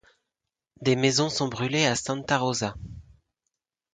Des maisons sont brûlées à Santa Rosa.